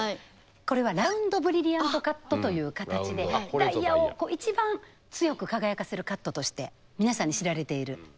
これはラウンドブリリアントカットという形でダイヤを一番強く輝かせるカットとして皆さんに知られている。